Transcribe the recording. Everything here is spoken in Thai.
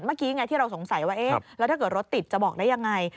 เมื่อกี้ไงที่เราสงสัยว่าเอ๊ะแล้วถ้าเกิดรถติดจะบอกได้ยังไง